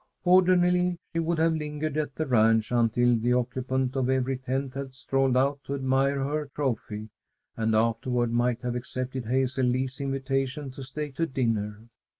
Ordinarily she would have lingered at the ranch until the occupant of every tent had strolled out to admire her trophy, and afterward might have accepted Hazel Lee's invitation to stay to dinner.